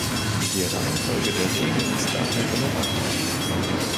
Die "Reihenfolge" der Regeln ist daher relevant.